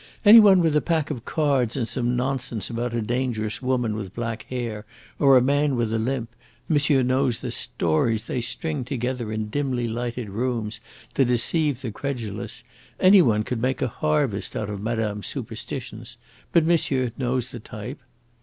Any one with a pack of cards and some nonsense about a dangerous woman with black hair or a man with a limp Monsieur knows the stories they string together in dimly lighted rooms to deceive the credulous any one could make a harvest out of madame's superstitions. But monsieur knows the type."